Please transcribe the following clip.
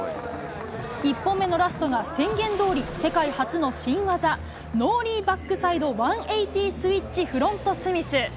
１本目のラストが宣言どおり世界初の新技、ノーリーバックサイド１８０スイッチフロントスミス。